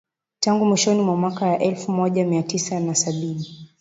Tangu mwishoni mwa miaka ya elfu moja mia tisa na sabini